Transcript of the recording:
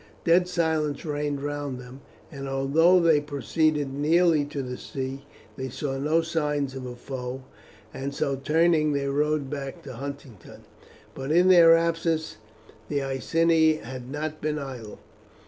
Dead silence reigned round them, and although they proceeded nearly to the sea they saw no signs of a foe, and so turning they rowed back to Huntingdon. But in their absence the Iceni had not been idle.